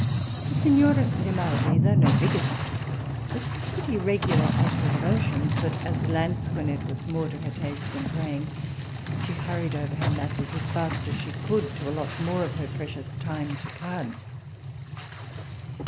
The signora Grimaldi, though no bigot, was pretty regular at her devotions, but as lansquenet was more to her taste than praying, she hurried over her masses as fast as she could, to allot more of her precious time to cards.